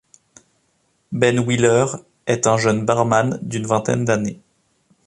Ben Wheeler est un jeune barman d'une vingtaine d'années.